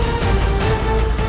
tidak ada yang bisa diberi